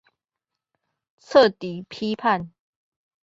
徹底批判